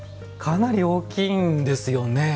かなり大きいんですよね。